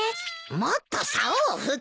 もっとさおを振って。